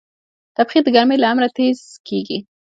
تبخیر د ګرمۍ له امله تېز کېږي.